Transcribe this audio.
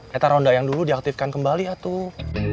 reta ronda yang dulu diaktifkan kembali ya tuh